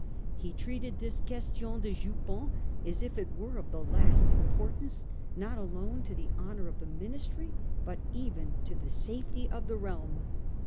He treated this question de jupons as if it were of the last importance not alone to the honour of the Ministry, but even to the safety of the realm.